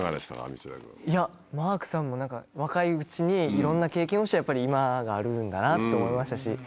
マークさんも若いうちにいろんな経験をして今があるんだなって思いましたし。